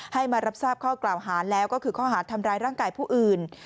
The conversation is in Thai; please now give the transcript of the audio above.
ให้มารับทราบข้อกล่าวหาแล้วก็คือข้อหาดทำร้ายร่างกายผู้อื่น